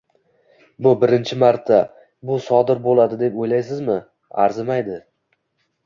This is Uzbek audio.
Bu birinchi marta, bu sodir bo'ladi deb o'ylaysizmi? Arzimaydi